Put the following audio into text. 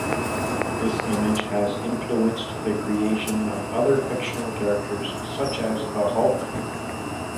This image has influenced the creation of other fictional characters, such as the Hulk.